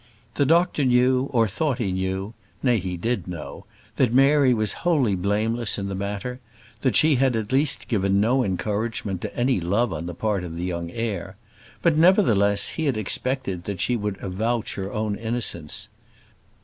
The doctor knew, or thought he knew nay, he did know that Mary was wholly blameless in the matter: that she had at least given no encouragement to any love on the part of the young heir; but, nevertheless, he had expected that she would avouch her own innocence.